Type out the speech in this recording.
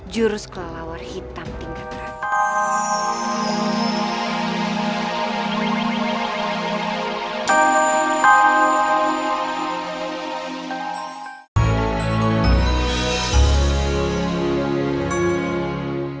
jurus kelawar hitam tingkat raja